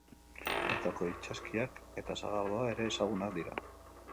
Bertako itsaskiak eta sagardoa ere ezagunak dira.